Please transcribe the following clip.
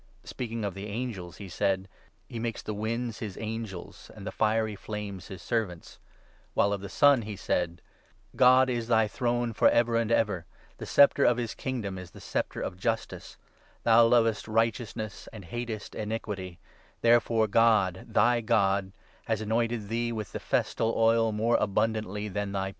Speaking of the angels, he said —' He makes the winds his angels And the fiery flames his servants '; while of the Son he said — 1 God is thy throne for ever and ever ; The sceptre of his Kingdom is the sceptre of Justice ; Thou lovest righteousness and hatest iniquity ; Therefore God, thy God, has anointed thee with the festal oil more abundantly than thy peers.'